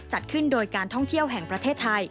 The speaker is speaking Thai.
จัดขึ้นโดยการท่องเที่ยวแห่งประเทศไทย